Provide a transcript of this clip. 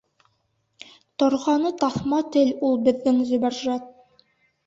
— Торғаны таҫма тел ул беҙҙең Зөбәржәт.